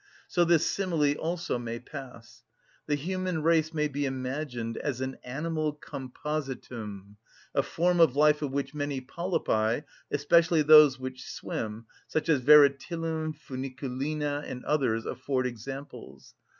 So this simile also may pass. The human race may be imagined as an animal compositum, a form of life of which many polypi, especially those which swim, such as Veretillum, Funiculina, and others, afford examples.